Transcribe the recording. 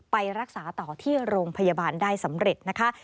ไปรักษาต่อที่โรงพยาบาลได้สำเร็จนะคะ